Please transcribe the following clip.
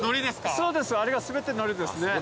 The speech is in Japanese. そうですあれが全てのりですね。